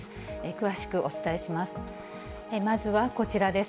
詳しくお伝えします。